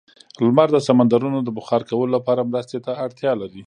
لمر د سمندرونو د بخار کولو لپاره مرستې ته اړتیا لري.